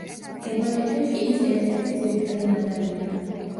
ჰემატიტი რკინის ერთ-ერთი ძირითადი მადანია.